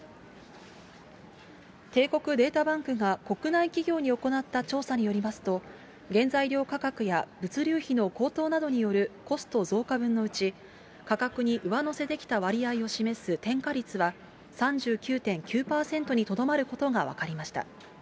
帝国データバンクが国内企業に行った調査によりますと、原材料価格や物流費の高騰などによるコスト増加分のうち、価格に上乗せできた割合を示す転嫁率は３９．９％にとどまることが分かりました。